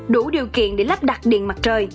đủ điều kiện để lắp đặt điện mặt trời